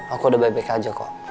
aku udah baik baik aja kok